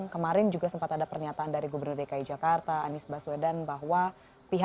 ketiga adegan pertama ialah